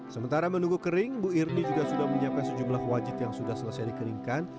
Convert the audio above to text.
sementara menunggu kering bu irni juga sudah menyiapkan sejumlah wajit yang sudah selesai dikeringkan